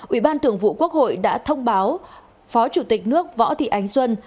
ủy ban thường vụ quốc hội đã thông báo phó chủ tịch nước võ thị ánh xuân